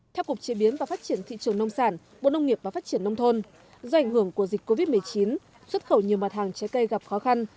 theo cục chế biến và phát triển thị trường nông sản bộ nông nghiệp và phát triển nông thôn do ảnh hưởng của dịch covid một mươi chín xuất khẩu nhiều mặt hàng trái cây gặp khó khăn